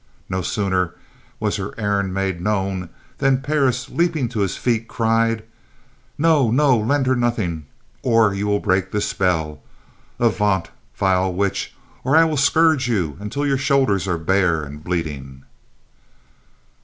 No sooner was her errand made known, than Parris, leaping to his feet, cried: "No! no! lend her nothing, or you will break the spell! Avaunt, vile witch, or I will scourge you until your shoulders are bare and bleeding."